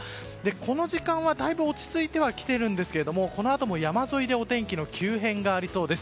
この時間は、だいぶ落ち着いてはきているんですけどこのあとも山沿いでお天気の急変がありそうです。